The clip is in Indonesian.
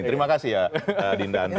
terima kasih ya dinda andre